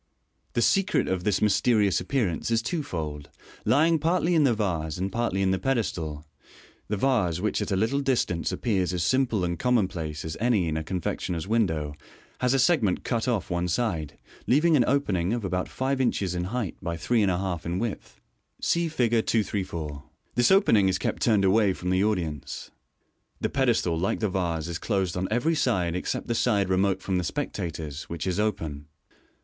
The secret of this mysterious appearance is twofold, lying partly in the vase and partly in the pedestal. The vase, which at a little distance appears as simple and commonplace as any in a confectioner's window, has a segment cut p IBFi ~x ll ISsfS wS&jjb 1PWI pp IB A ;l_ j .^ Fig. 234. MODERN MAGIC. 401 off one side, leaving an opening of about five inches in height by three and a half in width. {See Fig. 234.) This opening is kept turned away from the audience. The pedestal, like the vase, is closed on every side except the side remote from the spectators, which is open.